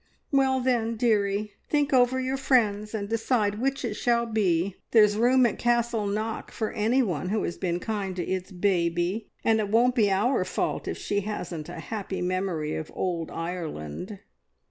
Well then, dearie, think over your friends, and decide which it shall be! There's room at Castle Knock for anyone who has been kind to its baby, and it won't be our fault if she hasn't a happy memory of Old Ireland."